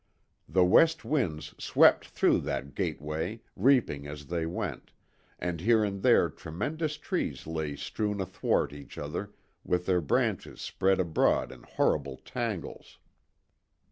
The west winds swept through that gateway, reaping as they went, and here and there tremendous trees lay strewn athwart each other with their branches spread abroad in horrible tangles.